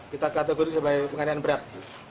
kita kategoris sebagai penganiayaan berat